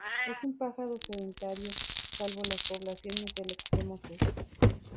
Es un pájaro sedentario salvo las poblaciones del extremo sur.